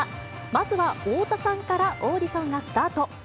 まずは太田さんからオーディションがスタート。